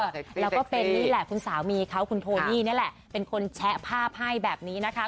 แล้วก็เป็นนี่แหละคุณสามีเขาคุณโทนี่นี่แหละเป็นคนแชะภาพให้แบบนี้นะคะ